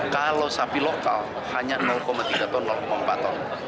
kalau sapi lokal hanya tiga ton empat ton